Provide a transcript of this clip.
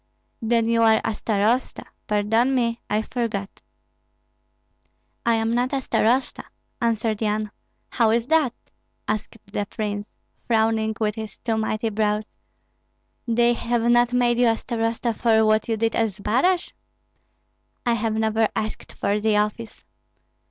"Then you are a starosta pardon me, I forgot." "I am not a starosta," answered Yan. "How is that?" asked the prince, frowning with his two mighty brows; "they have not made you a starosta for what you did at Zbaraj?" "I have never asked for the office."